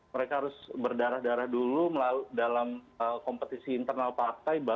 mereka harus berdarah darah dulu dalam kompetisi internal partai